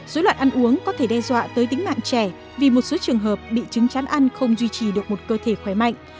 dối loạn ăn uống có thể đe dọa tới tính mạng trẻ vì một số trường hợp bị chứng chán ăn không duy trì được một cơ thể khỏe mạnh